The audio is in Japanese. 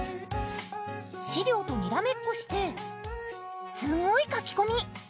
資料とにらめっこしてすごい書き込み！